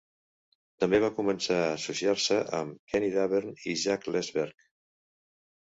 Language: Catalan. També va començar a associar-se amb Kenny Davern i Jack Lesberg.